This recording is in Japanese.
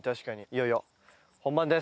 いよいよ本番です。